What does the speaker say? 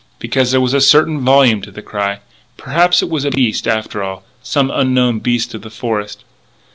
Because there was a certain volume to the cry.... Perhaps it was a beast, after all.... Some unknown beast of the forest....